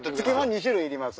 ２種類いります？